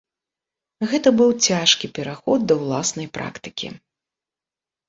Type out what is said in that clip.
Гэта быў цяжкі пераход да ўласнай практыкі.